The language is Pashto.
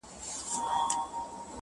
تر بچیو گوله نه سي رسولای!